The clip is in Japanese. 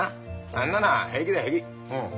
あんなのは平気だよ平気。